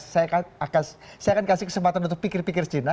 saya akan kasih kesempatan untuk pikir pikir cina